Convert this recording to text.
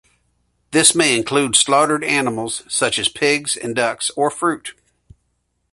This may include slaughtered animals, such as pigs and ducks, or fruit.